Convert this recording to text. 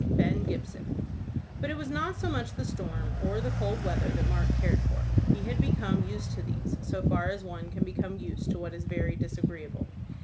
BEN GIBSON. But it was not so much the storm or the cold weather that Mark cared for. He had become used to these, so far as one can become used to what is very disagreeable.